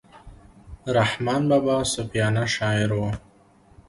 رحمان بابا صوفیانه شاعر وو.